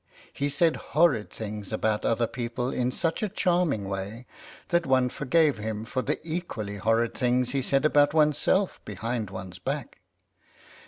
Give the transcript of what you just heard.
He said horrid things about other people in such a charming way that one forgave him for the equally horrid things he said about oneself behind one's back.